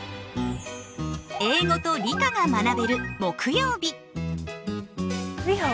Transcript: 英語と理科が学べる木曜日。